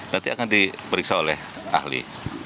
nanti akan diperiksa oleh ahli